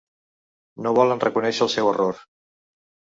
No volen reconèixer el seu error.